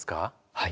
はい。